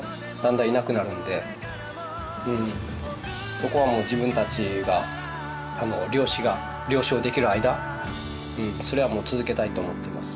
そこはもう自分たちが漁師が漁師をできる間それはもう続けたいと思っています。